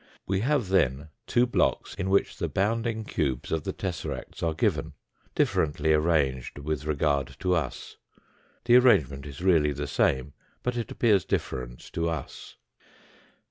We have then two blocks in which the bounding cubes of the tesseracts are given, differently arranged with regard to us the arrange ment is really the same, but it appears different to us.